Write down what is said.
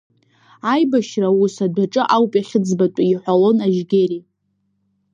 Аибашьра аус адәаҿы ауп иахьыӡбатәу иҳәалон Ажьгьери.